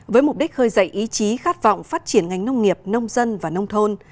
với mục đích khơi dậy ý chí khát vọng phát triển ngành nông nghiệp nông dân và nông thôn